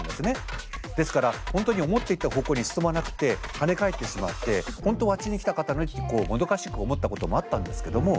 ですから本当に思っていた方向に進まなくて跳ね返ってしまって本当はあっちに行きたかったのにってこうもどかしく思ったこともあったんですけども。